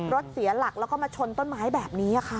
เสียหลักแล้วก็มาชนต้นไม้แบบนี้ค่ะ